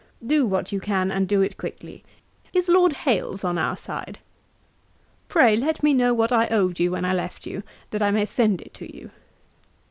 Do what you can and do it quickly. Is Lord Hailes on our side? 'Pray let me know what I owed you when I left you, that I may send it to you.